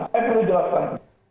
saya perlu jelaskan